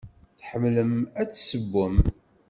Tḥemmlem ad tessewwem?